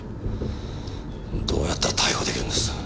どうやったら逮捕できるんです？